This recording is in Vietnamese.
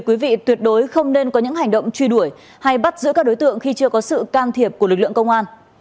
quý vị tuyệt đối không nên có những hành động truy đuổi hay bắt giữ các đối tượng khi chưa có sự can thiệp của lực lượng công an